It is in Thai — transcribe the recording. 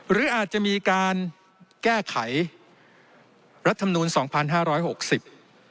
หรืออาจจะมีการแก้ไขรัฐธรรมนูลสองพันห้าร้อยหกสิบ